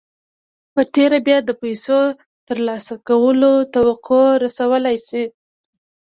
په تېره بيا د پيسو ترلاسه کولو توقع رسولای شئ.